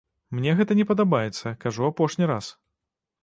Мне гэта не падабаецца, кажу апошні раз.